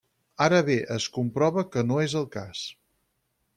Ara bé es comprova que no és el cas.